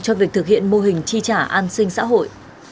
cho việc thực hiện mô hình chi trả an sinh xã hội